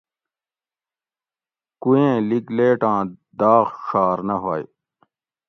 کویٔیں لِگ لیٹاں داغ ڛاۤر نہ ھوئ